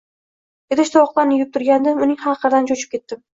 Idish-tovoqlarni yuvib turgandim, uning hayqirig`idan cho`chib ketdim